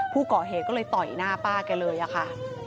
ผู้ก่อเหตุก็เลยต่อยหน้าป้าแกเลยอะค่ะ